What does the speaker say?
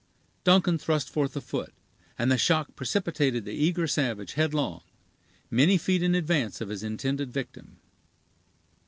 Duncan thrust forth a foot, and the shock precipitated the eager savage headlong, many feet in advance of his intended victim.